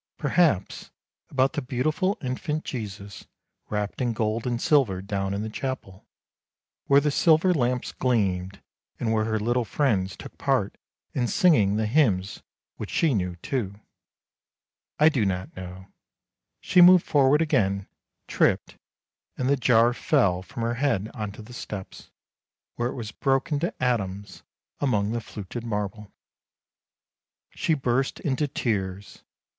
Perhaps about the beautiful Infant Jesus wrapped in gold and silver down in the chapel, where the silver lamps gleamed, and where her little friends took part in singing the hymns which she knew too; I do not know — she moved forward again, tripped, and the jar fell from her head on to the steps, where it was broken to atoms upon the fluted marble. She burst into tears.